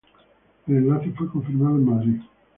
El enlace fue confirmado en Madrid.